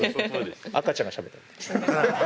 赤ちゃんがしゃべったみたい。